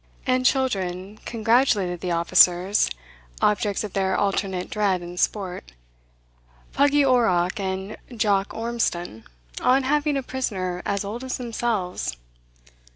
And the children congratulated the officers, objects of their alternate dread and sport, Puggie Orrock and Jock Ormston, on having a prisoner as old as themselves.